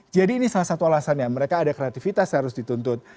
jadi ini salah satu alasannya mereka ada kreativitas harus dituntut